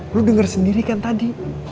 eh lo denger sendiri kan tadi